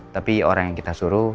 tapi orang yang kita suruh